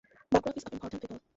Biographies of important people.